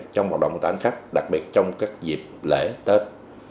trong hoạt động đại hành khách đặc biệt trong các dịp lễ tết